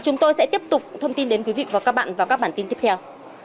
chúng tôi sẽ tiếp tục thông tin đến quý vị và các bạn vào các bản tin tiếp theo